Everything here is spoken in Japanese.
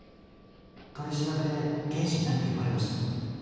取調べで刑事に何か言われました？